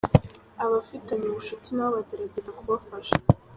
Abafitanye ubushuti na bo bagerageza kubafasha.